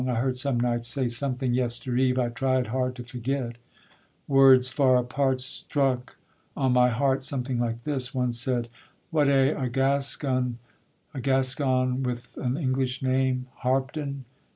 I heard some knights say something yestereve, I tried hard to forget: words far apart Struck on my heart something like this; one said: What eh! a Gascon with an English name, Harpdon?